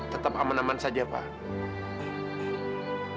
tetap aman aman saja pak